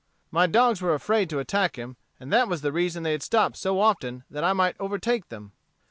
My dogs were afraid to attack him, and that was the reason they had stopped so often that I might overtake them."